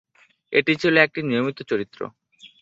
এটি ছিল একটি নিয়মিত চরিত্র।